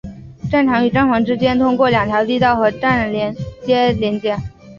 站场与站房之间通过两条地道和站台联接联检大楼的跨线桥连接。